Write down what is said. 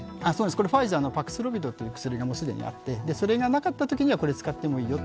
これファイザーのパクスロビドという薬が既にあってそれがなかったときには、これを使ってもいいよと。